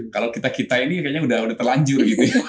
kalau kita kita ini kayaknya sudah terlanjur